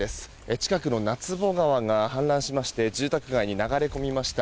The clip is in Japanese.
近くの川が氾濫しまして住宅街に流れ込みました。